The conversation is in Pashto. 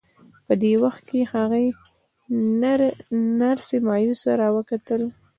په دې وخت کې هغې نرسې مایوسه را وکتل